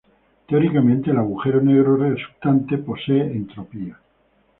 Teóricamente, el agujero negro resultante posee entropía.